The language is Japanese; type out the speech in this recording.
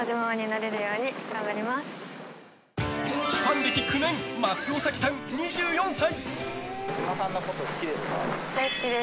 ファン歴９年松尾咲希さん、２４歳。